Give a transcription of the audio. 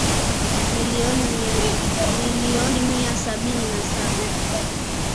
milioni mia sabini na saba